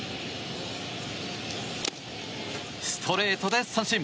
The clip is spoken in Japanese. ストレートで三振。